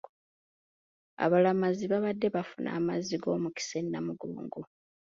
Abalamazi babadde bafuna amazzi g’omukisa e Namugongo